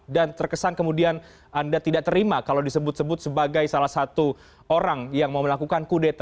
dan terkesan kemudian anda tidak terima kalau disebut sebut sebagai salah satu orang yang mau melakukan kudeta